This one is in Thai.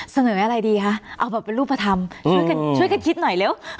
เสนออะไรดีคะเอาแบบเป็นรูปธรรมช่วยกันคิดหน่อยเร็ว